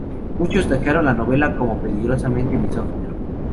Muchos tacharon la novela como "peligrosamente misógina".